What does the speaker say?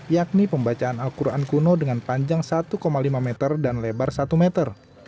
yakni pembacaan al quran kuno dengan panjang satu lima meter dan lebar satu meter